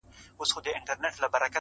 لکه د خپلې مينې «هو» چي چاته ژوند ورکوي;